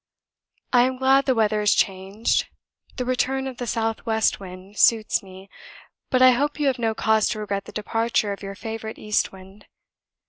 I am glad the weather is changed; the return of the south west wind suits me; but I hope you have no cause to regret the departure of your favourite east wind.